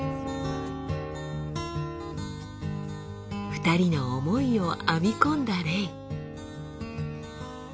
２人の思いを編み込んだレイ。